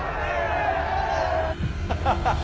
ハハハッ！